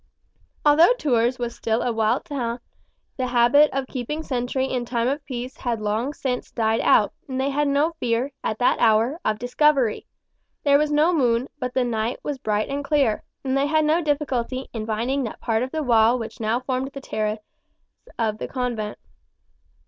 Although Tours was still a walled town the habit of keeping sentry in time of peace had long since died out, and they had no fear, at that hour, of discovery. There was no moon, but the night was bright and clear, and they had no difficulty in finding that part of the wall which now formed the terrace of the convent.